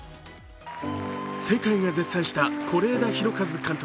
世界が絶賛した是枝裕和監督